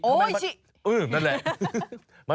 โอ้ยชิบนั่นแหละ